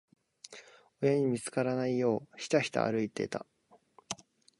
親に見つからないよう、ひたひた歩いてた。